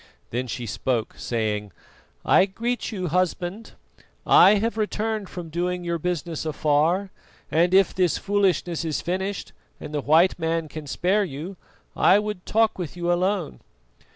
Then she spoke, saying: "I greet you, Husband. I have returned from doing your business afar, and if this foolishness is finished, and the white man can spare you, I would talk with you alone."